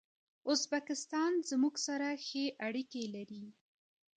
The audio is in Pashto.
ازبکستان زموږ سره ښې اړیکي لري.